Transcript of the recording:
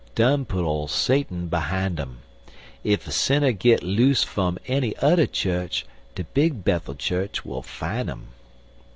Done put ole Satun behine um; Ef a sinner git loose fum enny udder chu'ch, De Big Bethel chu'ch will fine um!